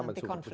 nanti konflik ya